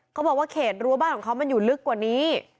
เขาบอกว่าเขตรั้วบ้านของเขามันอยู่ลึกกว่านี้